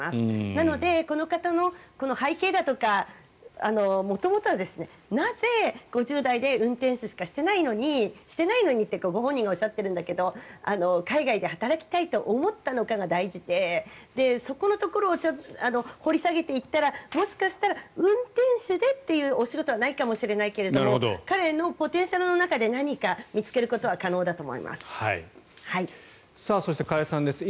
なのでこの方の背景だとか元々はなぜ５０代で運転手しかしてないのにしてないのにというかご本人がおっしゃっているんだけど海外で働きたいと思ったのかが大事でそこのところを掘り下げていったらもしかしたら運転手でというお仕事はないかもしれないけど彼のポテンシャルの中で何かを見つけることは可能だと思います。